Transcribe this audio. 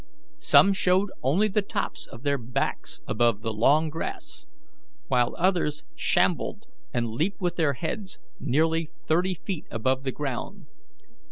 Some showed only the tops of their backs above the long grass, while others shambled and leaped with their heads nearly thirty feet above the ground.